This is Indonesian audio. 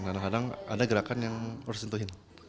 kadang kadang ada gerakan yang harus disentuhin